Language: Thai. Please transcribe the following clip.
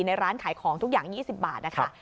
ร้านขายของทุกอย่าง๒๐บาทนะคะ